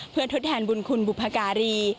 เพื่อทดแทนบุญคุณบุพการี